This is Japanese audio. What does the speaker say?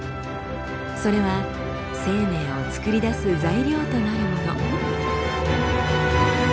それは生命をつくり出す材料となるもの。